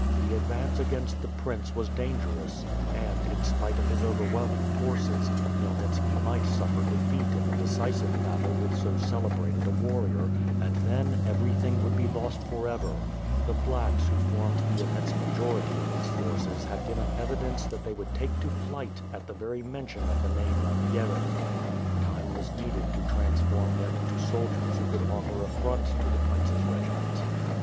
The advance against the prince was dangerous, and, in spite of his overwhelming forces, Khmyelnitski might suffer defeat in a decisive battle with so celebrated a warrior, and then, everything would be lost forever The 'Slacks" who formed the immense majority of his forces had given evidence that they would take to flight at the very mention of the name of "Yeremy." Time was needed to transform them into soldiers who could offer a front to the Prince's regiment.